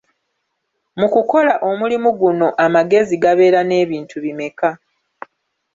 Mu kukola omulimu guno amagezi gabeera n'ebintu bimeka?